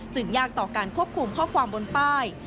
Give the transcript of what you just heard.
ยากต่อการควบคุมข้อความบนป้าย